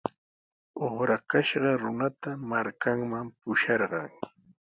Uqrakashqa runata markanman pusharqan.